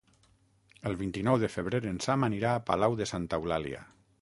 El vint-i-nou de febrer en Sam anirà a Palau de Santa Eulàlia.